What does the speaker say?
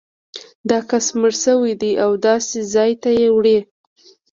دا کس مړ شوی دی او داسې ځای ته یې وړي.